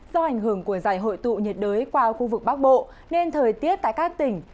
do ảnh hưởng của giải hội tụ nhiệt đới qua khu vực bắc bộ nên thời tiết tại các tỉnh